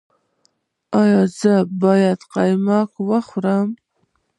ایا زه باید قیماق وخورم؟